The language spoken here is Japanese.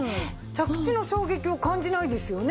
着地の衝撃を感じないですよね。